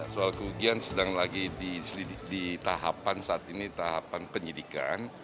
soal kerugian sedang lagi di tahapan saat ini tahapan penyidikan